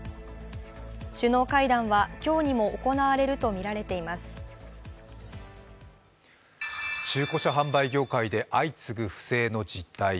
首脳会談は今日にも行われるとみられていまする中古車販売業界で相次ぐ不正の実態。